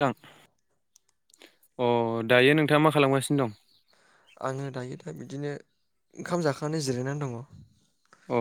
थां अ दायो नोंथाङा मा खालामगासिनो दं? आङो दायो दा बिदिनो ओंखाम जाखांनानै जिरायनानै दङ। अ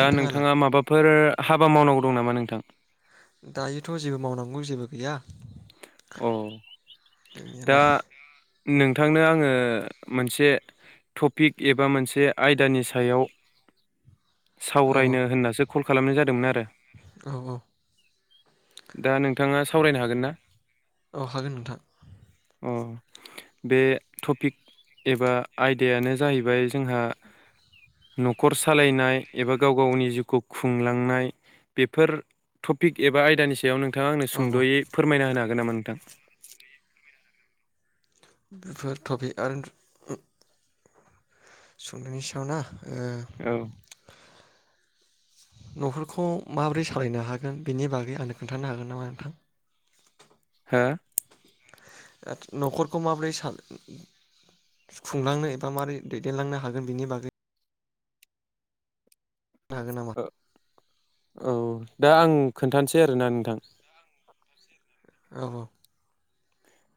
दा नोंथाङा माबाफोर हाबा मावनांगौ दं नामा नोंथां? दायोथ' जेबो मावनांगौ जेबो गैया। अ दा गैनायालाय नोंथांनो आङो मोनसे टपिक एबा मोनसे आयदानि सायाव औ सावरायनो होननासो कल खालामनाय जादोंमोन आरो। औ औ दा नोंथाङा सावरायनो हागोन ना? औ हागोन नोंथां। अ बे टपिक एबा आयदायानो जाहैबाय जोंहा न'खर सालायनाय एबा गाव गावनि जिउखौ खुंलांनाय बेफोर टपिक एबा आयदानि सायाव नों नोंथाङा आंनो औ औ सुंदयै फोरमायना होनो हाग [unintelligible] गो नामा नोंथां? बेफोर टपि आरो [unintelligible] संनायनि सायाव ना ए औ न'खरखौ माबोरै सालायनो हागोन बेनि बागै आंनो खोन्थानो हागोन नामा नोंथां? हा न'खरखौ माबोरै साल खुंलांनो एबा माबोरै दैदेनलांनो हागोन बिनि बागै हागोन नामा? ओ औ दा आं खोन्थानोसै आरोना नोंथां ओव औ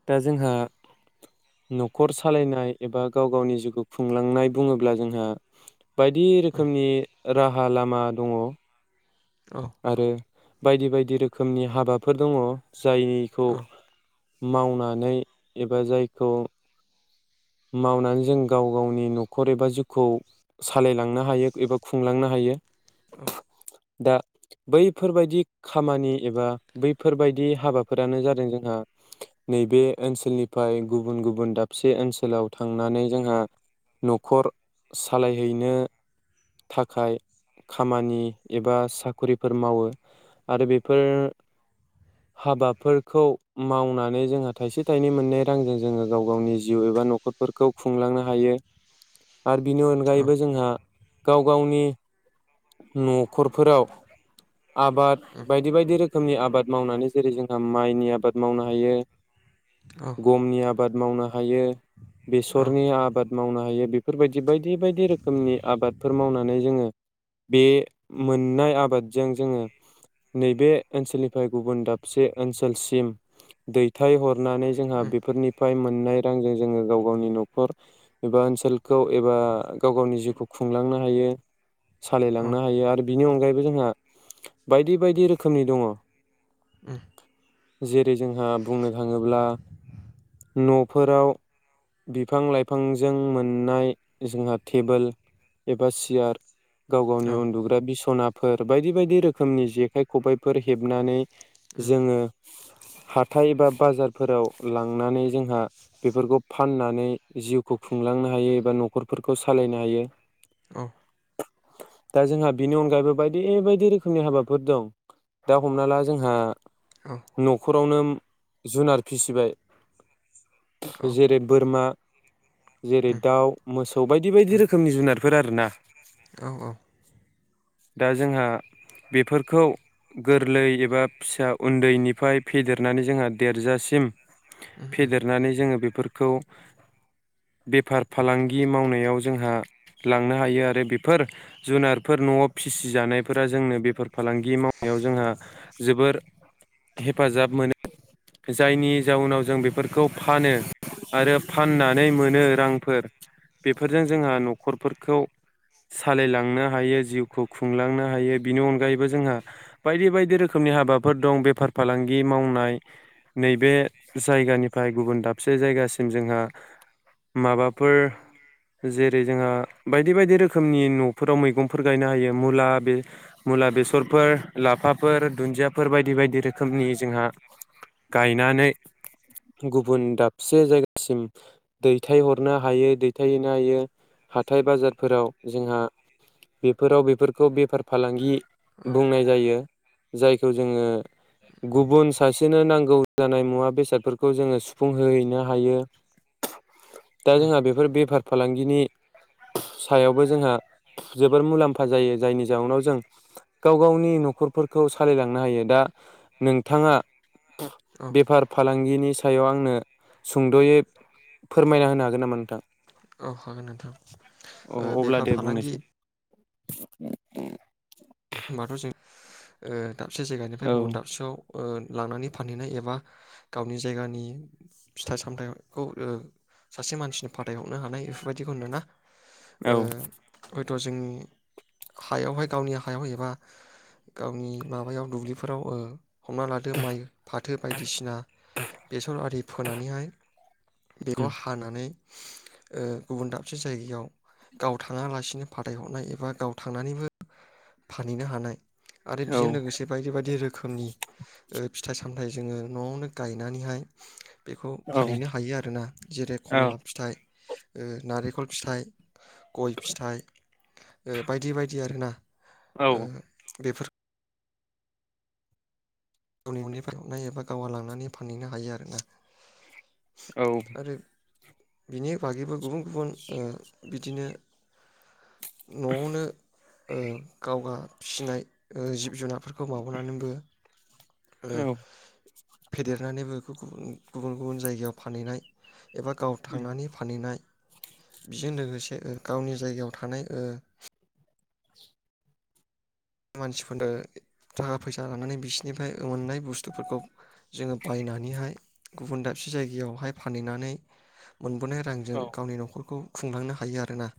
दा जोंहा न'खर सालायनाय एबा गाव गावनि जिउखौ खुंलांनाय बुङोब्ला जोंहा बायदि रोखोमनि राहा लामा दङ औ आरो बायदि बायदि रोखोमनि हाबाफोर दङ। जायिखौ औ मावनानै एबा जायखौ मावनानै जों गाव गावनि न'खर एबा जिउखौ सालायलांनो हायो एबा खुंलांनो हायो। ओ [unintelligible] दा बैफोरबायदि खामानि एबा बैफोरबायदि हाबाफोरानो जादों जोंहा नैबे ओनसोलनिफ्राय गुबुन गुबुन दाबसे ओनसो गोलाव थांनानै जोंहा न'खर सालायहैनो थाखाय खामानि एबा साखरिफोर मावो आरो बेफोर हाबाफोरखौ मावनानै जोंहा थाइसे थाइनै मोननाय रांजों जोङो गाव गावनि जिउ एबा नख न'खरफोरखौ खुंलांनो हायो। आरो बिनि औ अनगायैबो जोंहा गाव गावनि न'खरफोराव आबाद बायदि बायदि रोखोमनि आबाद मावनानै जेरै जोंहा माइनि आबाद मावनो हायो। औ गमनि आब बाद मावनो हायो बेसरनि आबाद मावनो हायो बे फोरबायदि बायदि बायदि रोखोमनि आबादफोर मावनानै जोङो बे मोननाय आबादजों जोङो नैबे ओनसोलनिफ्राय गुबुन दाबसे ओनसोलसिम दैथाय हर नानै जोंहा औ बेफोरनिफाय मो नाय रांजों जोङो गाव गावनि न'खर एबा ओनसोलखौ एबा गाव गावनि जिउखौ खुंलांनो हायो सालायलांनो हायो आरो बिनि अनगायै बो जोंहा बायदि बायदि रोखोमनि दङ। ओम जेरै जोंहा बुंनो थाङोब्ला न'फोराव बिफां लाइफांजों मोननाय जोंहा टेबोल एबा सियार गाव गावनि उन्दुग्रा बिसना फोर बायदि बायदि रोखोमनि जेखाइ खबाइफोर हेबनानै जोङो हाथाय एबा बाजारफोराव लांनानै जोंहा बेफोरखौ फाननानै जिउखौ खुंलांनो हायो एबा न'खरफोरखौ सालायनो हायो औ दा जोंहा बिनि अनगायैबो बायदि बायदि रोखोमनि हाबाफोर दं दा हमना ला जोंहा औ न'ख' रावनो जुनार फिसिबाय औ जेरै बोरमा जेरै उम दाउ मोसौ बायदि बायदि उम रोखोमनि जुनार फोर आरोना औ औ दा जोंहा बेफोरखौ गोरलै एबा फिसा उन्दैनिफाय फेदेरनानै जोंहा देरजासिम उम उम फेदेरनानै जोङो बे फोरखौ बेफार फालांगि मावनायाव जोंहा लांनो हायो आरो बेफोर जुनारफोर न'आव फिसिजानायफोरा जोंनो बेफार फालांगि मावनायाव जोंहा जोबोर हेफाजाब मोनो जायनि जाउनाव जों बेफोरखौ फानो आरो फाननानै मोनो रांफोर बेफोरजों जोंहा न'खरफोरखौ सालायलांनो हायो जिउखौ खुंलांनो हायो बिनि अनगायैबो जोंहा बायदि बायदि रोखोमनि हाबाफोर दं बेफार फालांगि मावनाय नैबे जायगानि फाय गुबुन दाबसे जायगासिम जोंहा माबाफोर जेरै जोंहा बायदि बायदि रोखोमनि न' फोराव मैगंफोर गायनो हायो मुला बे मुला बेसरफोर लाफाफोर दुनजियाफोर बायदि बायदि रोखोमनि जोंहा गायनानै गुबुन दाबसे जायगासिम दैथायहरनो हायो दै थायैनो हायो हाथाय बाजारफोराव जोंहा बेफोराव बेफोरखौ बेफार फालांगि औ बुंनाय जायो जायखौ जोङो गुबुन सासेनो नांगौ जानाय मुवा बेसादफोरखौ जोङो सुफुंहोहैनो हायो दा उम जोंहा बेफोर बेफार फालांगिनि सायावबो जोंहा जोबोर मुलाम्फा जायो जायनि जाउनाव जों गाव गावनि न'खरफोरखौ सालायलांनो हायो दा नोंथाङा औ बेफार फालां फालांगिनि सायाव आंनो सुंद'यै फोरमायना होनो हागोन नामा नोंथां? औ हागोन नोंथां औ ओ अब्ला बेफोर दे फालांगि बुंनोसै [inaudible] ओमबाथ' जों ओ दाबसे जायगानिफ्राय औ गुबुन दाबसेयाव ओ लांनानै फानहैनाय एबा गावनि जायगानि फिथाइ सामथाइखौ ओ सासे मानसिनो फाथायहरनो हानाय बेफोरबायदिखौ नो ना औ ओ दाथ' जों हायावहाय गावनि हायाव एबा गावनि माबायाव दुब्लिफोराव ओ हमना लादो माइ, फाथो बायदिसिना बेसर आरि फोनानैहाय बेखौ हानानै ओ गुबुन दाबसे जायगायाव गाव थाङालासिनो फाथायहरनाय एबा गाव थांनानैबो फानहैनो हानाय आरो औ बेजों लोगोसे बायदि बायदि रोखोमनि ओ फिथाइ साम सामथाइ जोङो न'आवनो गायनानैहाय बेखौ औ फानहैनो हायो आरो ना। जेरै खमला फिथाइ, ओ नारेखल फिथाइ गय फिथाइ ओ बायदि बायदि आरोना औ ओ बेफोर गावनि ननिफ्राय हरनाय एबा गावहा लांनानै फानहैनो हायो आरोना। औ आरो बिनि बागैबो गुबुन गुबुन ओ बिदिनो न'आवनो [unintelligible] ओ गावगा फिसिनाय ओ जिब जुनारफोरखौ माबानानैबो ओ फेदेरनानैबो बेखौ गुबुन गुबुन गुबुन जायगायाव फानहैनाय एबा गाव थांनानै फानहैनाय बेजों लोगोसे ओ गावनि जायगायाव थानाय ओ मानसिफोरनो थाखा फैसा होनानै बिसिनिफ्राय मोननाय बुस्थुफोरखौ जोङो बायनानैहाय गुबुन दाबसे जायगायावहाय फानहैनानै मोनबोनाय रांजों औ गावनि न'खरखौ खुंलांनो हायो आरोना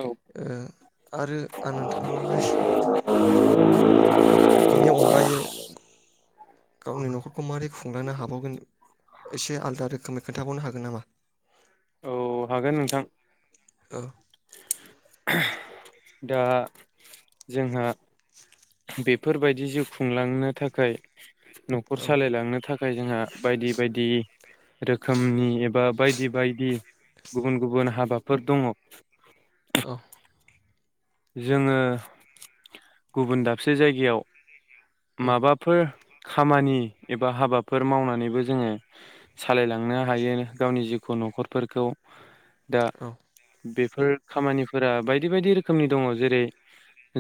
औ आरो आं नोंथांनावहाय [inaudible] बिनि अनगायै गावनि न'खरखौ मारै खुंलांनो हाबावगोन एसे आलदा रोखोमै खोन्थाबावनो हागोन नामा? औ हागोन नोंथां। औ दा जोंहा बेफोर बायदि जिउ खुंलांनो थाखाय न'खर औ सालायलांनो थाखाय जोंहा बायदि बायदि रोखोमनि एबा बायदि बायदि गुबुन गुबुन हाबाफोर दङ। औ जोङो गुबुन दाबसे जायगायाव उम माबाफोर खामानि एबा हाबाफोर मावनानैबो जोङो सालायलांनो हायो गावनि जिउखौ न'खरफोरखौ। दा औ बे फोर खामानिफोरा बायदि बायदि रो खोमनि दङ जेरै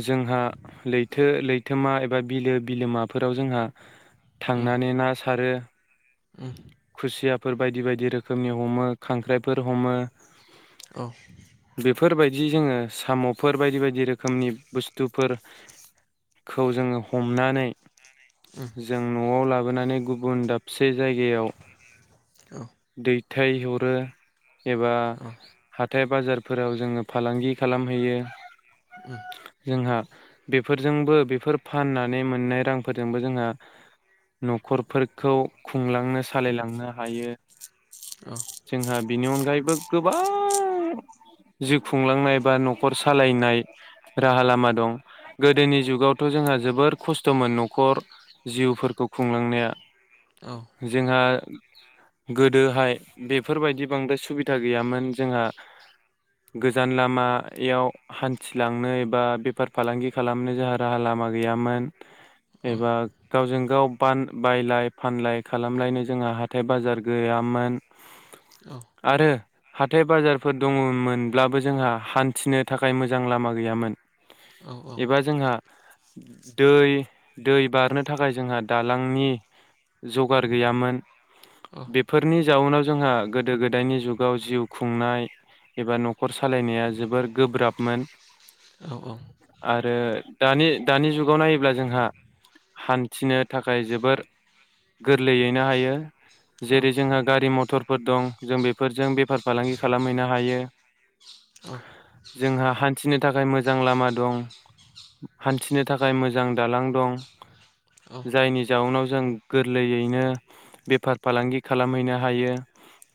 जोंहा लैथो लैथोमा एबा बिलो बिलोमाफोराव जोंहा उम थांनानै ना सारो उम। फोर बायदि बायदि रोखोमनि हमो खांख्राइफोर हमो। औ। जि जोङो साम'फोर बायदि बायदि रोखोमनि बुस्थुफोरखौ जोङो हमनानै जों न'आव लाब बोनानै गुबुन दाबसे जायगायाव दै थाय हरो। एबा हाथ हाथाइ बाजारफोराव जोङो फालांगि खालामहैयो। उम। जोंहा बेफोरजोंबो बेफोर फाननानै मोननाय रांफोरजोंबो जोंहा न'खरफोरखौ खुंलांनो सालायलांनो हायो। जोंहा बिनि अनगायैबो गोबां जिउ खुंलांनाय बा न'खर सालायनाय राहा लामा दं गोदोनि जुगावथ' जोंहा जोबोर खस्थ'मोन न'खर जिउफोरखौ खुंलांनाया। जोंहा गोदोहाय बेफोरबायदि बांद्राय सुबिदा गैयामोन जोंहा गोजान लामायाव हान्थिलांनो बा बेफार फालांगि खालामनो जोंहा राहा लामा गैयामोन। एबा गावजों गाव बान बायलाय फानलाय खालामलायनो जोंहा हाथाय बाजार गैयामोन। आरो हाथाय बाजारफोर दङमोनब्लाबो जोंहा हान्थिनो थाखाय मोजां लामा गैयामोन। एबा जोंहा दै दै बारनो थाखाय जोंहा दालांनि जगार गैयामोन। बेफोरनि जाउनाव जोंहा गोदो गोदायनि जुगाव जिउ खुंनाय एबा न'खर सालायनाया जोबोर गोब्राबमोन। औ औ। आरो दानि दानि जुगाव नायोब्ला जोंहा हान्थिनो थाखाय जोबोर गोरलैयैनो हायो। जेरै जोंहा गारि मथर फोर दं जों बेफोरजों बेफार फालांगि खालामहैनो हायो जोंहा हान्थिनो थाखाय मोजां लामा दं हान्थिनो थाखाय मोजां दालां दं। जायनि जाउनाव जों गोरलैयैनो बेफार फालांगि खालामहैनो हायो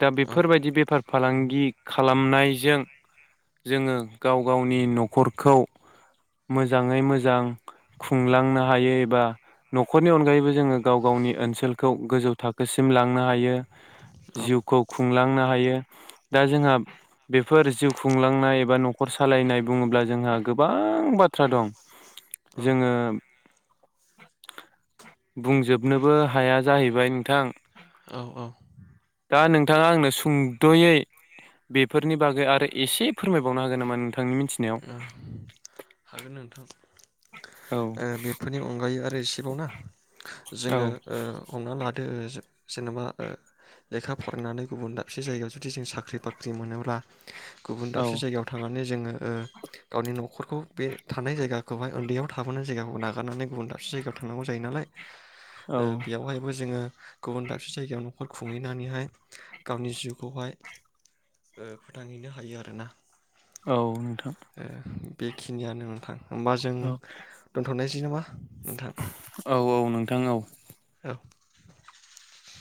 दा बेफोरबायदि बेफार फालांगि खालामनायजों जोङो गाव गावनि न'खरखौ मोजाङै मोजां खुंलांनो हायो एबा न'खरनि अनगायैबो जोङो गाव गावनि ओनसोलखौ गोजौ थाखोसिम लांनो हायो जिउखौ खुंलांनो हायो दा जोंहा बेफोर जिउ खुंलांनाय एबा न'खर सालायनाय बुङोब्ला जोंहा गोबां बाथ्रा दं। जोङो बुंजोब नोबो हाया जाहैबाय नोंथां। औ दा नोंथाङा आंनो सुंद'यै बेफोरनि बागै आरो एसे फोरमायबावनो हागोन नामा नों उम हागोन नोंथां। औ ओ बेफोरनि अनगायै आरो इसे [unintelligible] औ जोङो ओ हमना ला दो जो ओ जेन'बा ओ लेखा फरायनानै गुबुन दाबसे जायगायाव जुदि जों साख्रि बाख्रि मोनोब्ला गुबुन औ दाबसे जायगायाव थांनानै जोङो ओ गावनि न'खरखौ बे थानाय जायगाखौहाय उन्दैयाव थाबोनाय जायगाखौ नागारनानै गुबुन दाबसे जायगायाव थांनांगौ जायो नालाय औ ओ बेयावहायबो जोङो गुबुन दाबसे जायगायाव न'खर खुंहैनानैहाय गावनि जिउखौहाय ओ फोथांहैनो हायो आरोना। औ नों ओ बेखिनियानो नोंथां। होमबा जों औ दोन्थ'नायसै नामा? [unintelligible] औ औ नों थां औ [inaudible]